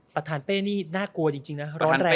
ประธานเป้นี่น่ากลัวจริงนะร้อนแรง